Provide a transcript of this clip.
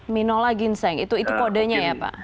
minola ginseng itu kodenya ya pak